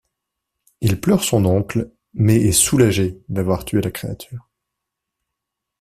Il pleure son oncle mais est soulagé d’avoir tué la créature.